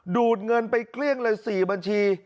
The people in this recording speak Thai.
ดูดเงินไปเกลี้ยงเลย๔บัญชี